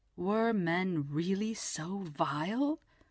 Were men really so vile?